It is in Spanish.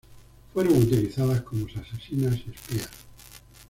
Fueron utilizadas como asesinas y espías.